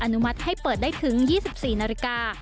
อนุมัติให้เปิดได้ถึงยี่สิบสี่นาฬิกา